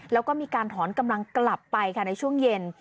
แล้วก็มีการถอนกำลังกลับไปค่ะในช่วงเย็น